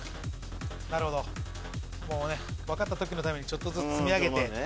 なるほど！分かった時のためにちょっとずつ積み上げて。